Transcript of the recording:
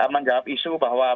menjawab isu bahwa